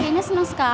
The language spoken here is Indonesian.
kan terus kok sama